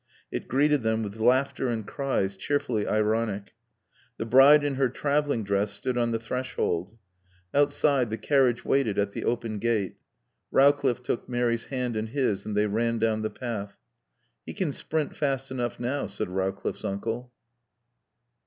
It greeted them with laughter and cries, cheerfully ironic. The bride in her traveling dress stood on the threshold. Outside the carriage waited at the open gate. Rowcliffe took Mary's hand in his and they ran down the path. "He can sprint fast enough now," said Rowcliffe's uncle.